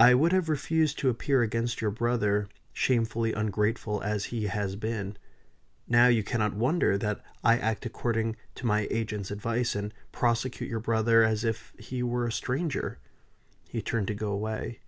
I would have refused to appear against your brother, shamefully ungrateful as he has been. Now you cannot wonder that I act according to my agent's advice, and prosecute your brother as if he were a stranger." He turned to go away.